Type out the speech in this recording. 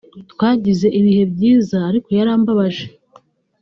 twagize ibihe byiza ariko yarambabaje